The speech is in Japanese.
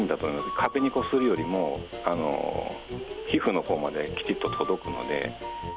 壁にこするよりも、皮膚のほうまできちっと届くので。